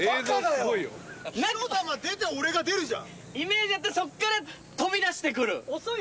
すごいよ火の玉出て俺が出るじゃんイメージだったらそっから飛び出してくる？